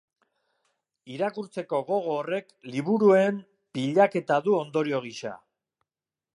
Irakurtzeko gogo horrek liburuen pilaketa du ondorio gisa.